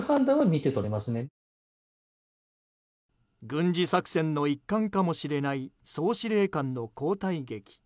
軍事作戦の一環かもしれない総司令官の交代劇。